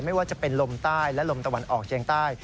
ไม่ว่าจะเป็นลมใต้และลมตะวันออกเชียงใต้